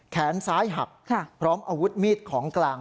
แขนซ้ายหักพร้อมอาวุธมีดของกลาง